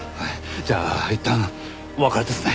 じゃあいったんお別れですね。